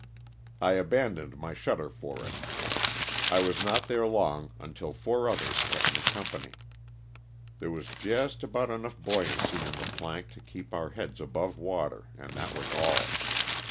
I abandoned my shutter for it. I was not there long until four others kept me company. There was just about enough buoyancy in the plank to keep our heads above water, and that was all.